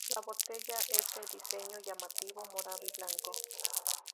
La botella es de diseño llamativo morado y blanco.